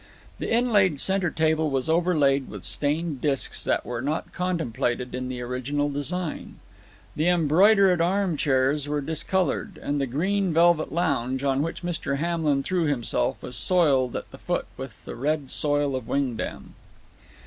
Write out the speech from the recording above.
The inlaid center table was overlaid with stained disks that were not contemplated in the original design. The embroidered armchairs were discolored, and the green velvet lounge, on which Mr. Hamlin threw himself, was soiled at the foot with the red soil of Wingdam.